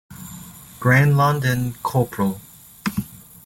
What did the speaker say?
Granlund and Cpl.